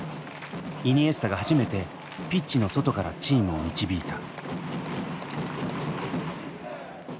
イニエスタが初めてピッチの外からチームを導いた。